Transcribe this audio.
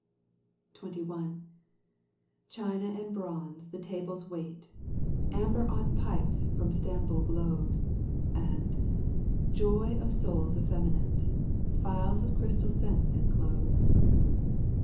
XXI. China and bronze the tables weight. Amber on pipes from Stamboul glows, And, joy of souls effeminate. Phials of crystal scents enclose.